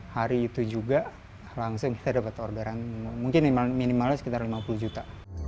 hari itu juga langsung kita dapat orderan mungkin minimalnya sekitar lima puluh juta